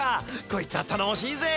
こいつはたのもしいぜ。